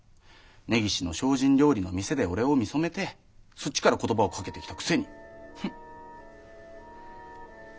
根岸の精進料理の店で俺を見初めてそっちから言葉をかけてきたくせに！